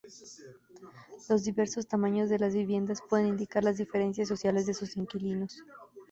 Los diversos tamaños de las viviendas pueden indicar las diferencias sociales de sus inquilinos.